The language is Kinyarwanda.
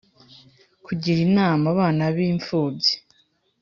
kugira inama abana bi imfubyi